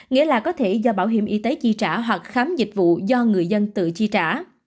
nghĩa là có thể do bảo hiểm y tế chi trả hoặc khám dịch vụ do người dân tự chi trả